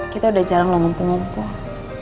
kita udah jarang lompong lompong